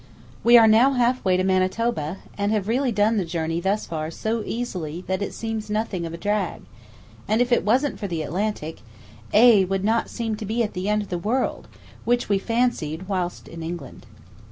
We are now half way to Manitoba, and have really done the journey thus far so easily that it seems nothing of a drag; and if it wasn't for the Atlantic, A would not seem to be at the end of the world, which we fancied whilst in England.